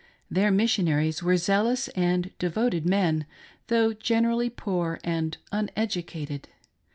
Their missionaries were zealous and devoted men,, though generally poor and uneducated.